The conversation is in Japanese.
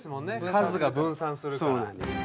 数が分散するから。